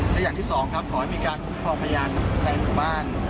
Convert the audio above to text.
และอย่างที่สองครับขอให้มีการคุ้มครองพยานในหมู่บ้าน